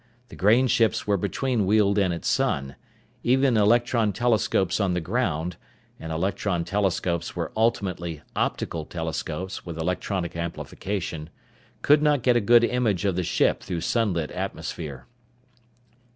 The grain ships were between Weald and its sun. Even electron telescopes on the ground and electron telescopes were ultimately optical telescopes with electronic amplification could not get a good image of the ship through sunlit atmosphere.